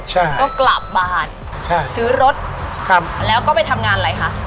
ใช่ก็กลับบ้านใช่ซื้อรถครับแล้วก็ไปทำงานอะไรคะ